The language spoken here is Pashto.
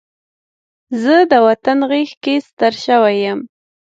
زه د وطن غېږ کې ستر شوی یم